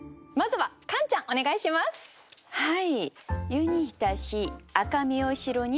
はい。